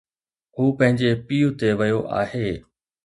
هو پنهنجي پيءُ تي ويو آھي